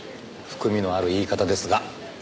含みのある言い方ですが。